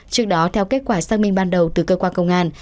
trước đó theo kết quả xác minh ban đầu từ cơ quan công an